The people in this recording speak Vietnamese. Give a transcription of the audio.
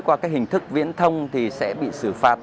qua các hình thức viễn thông thì sẽ bị xử phạt